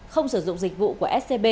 không sử dụng dịch vụ